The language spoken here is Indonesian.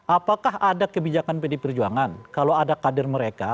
apakah ada kebijakan pd perjuangan kalau ada kader mereka